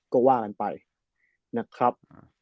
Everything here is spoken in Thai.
ก็ว่ากันไปนะครับ